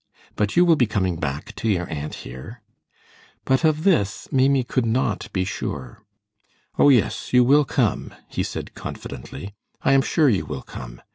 "But you will be coming back to your aunt here." But of this Maimie could not be sure. "Oh, yes, you will come," he said, confidently; "I am sure you will come.